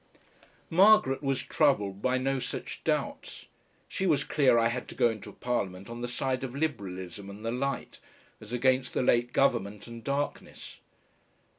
Margaret was troubled by no such doubts. She was clear I had to go into Parliament on the side of Liberalism and the light, as against the late Government and darkness.